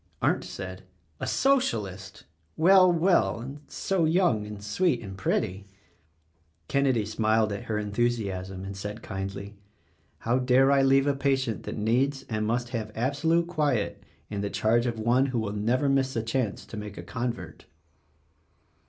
Arndt said — "A Socialist! Well, well — and so young and sweet and pretty." Kenedy smiled at her enthusiasm and said kindly, "How dare I leave a patient that needs and must have absolute quiet in the charge of one who will never miss the chance to make a convert."